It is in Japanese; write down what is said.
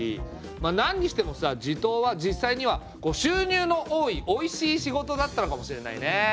まあなんにしてもさ地頭は実際には収入の多いおいしい仕事だったのかもしれないね。